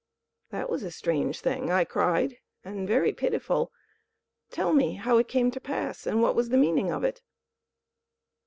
"That was a strange thing," I cried, "and very pitiful. Tell me how it came to pass, and what was the meaning of it."